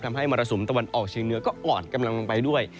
มรสุมตะวันออกเชียงเหนือก็อ่อนกำลังลงไปด้วย